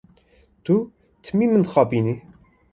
Tu timî min dixapînî.